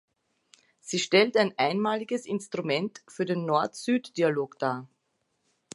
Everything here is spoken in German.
Sie stellt ein einmaliges Instrument für den Nord-Süd-Dialog dar.